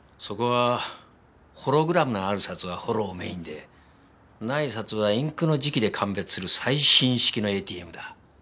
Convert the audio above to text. そこはホログラムのある札はホロをメーンでない札はインクの磁気で鑑別する最新式のＡＴＭだ。